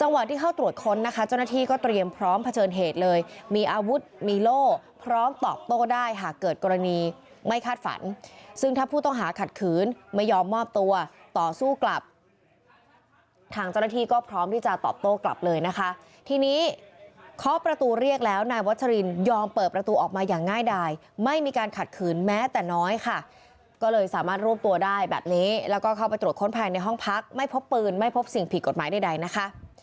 จังหวัดที่เข้าตรวจค้นนะคะจังหวัดที่เข้าตรวจค้นนะคะจังหวัดที่เข้าตรวจค้นนะคะจังหวัดที่เข้าตรวจค้นนะคะจังหวัดที่เข้าตรวจค้นนะคะจังหวัดที่เข้าตรวจค้นนะคะจังหวัดที่เข้าตรวจค้นนะคะจังหวัดที่เข้าตรวจค้นนะคะจังหวัดที่เข้าตรวจค้นนะคะจังหวัดที่เข้าตรวจค้นนะคะจังหวัดที่เข้